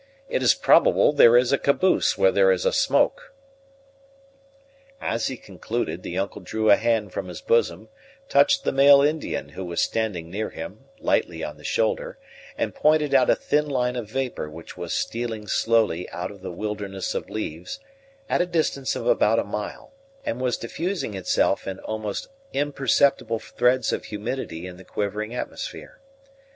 It is probable there is a caboose where there is a smoke." As he concluded, the uncle drew a hand from his bosom, touched the male Indian, who was standing near him, lightly on the shoulder, and pointed out a thin line of vapor which was stealing slowly out of the wilderness of leaves, at a distance of about a mile, and was diffusing itself in almost imperceptible threads of humidity in the quivering atmosphere.